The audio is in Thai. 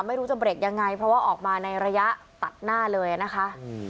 ไม่รู้จะเบรกยังไงเพราะว่าออกมาในระยะตัดหน้าเลยนะคะ